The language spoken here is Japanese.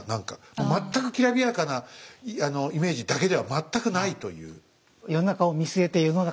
もう全くきらびやかなイメージだけでは全くないという。